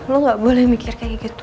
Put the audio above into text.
lo gak boleh mikir kayak gitu